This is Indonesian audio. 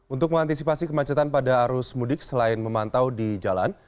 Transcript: untuk mengantisipasi kemacetan pada arus mudik selain memantau di jalan